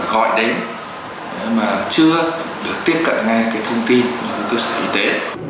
phải gọi đến mà chưa được tiếp cận ngay cái thông tin của sở y tế